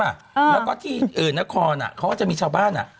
แล้วก็ที่เอ่ยนครเขาก็จะมีชาวบุรณิ